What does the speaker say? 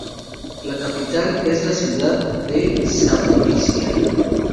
La capital es la ciudad de Zaporizhia.